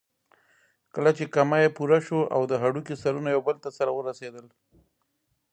کله چې کمى پوره شو او د هډوکي سرونه يو بل ته سره ورسېدل.